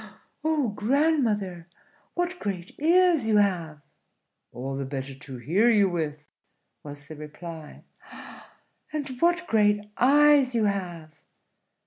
"Oh, grandmother, what great ears you have!" "All the better to hear you with," was the reply. "And what great eyes you have!"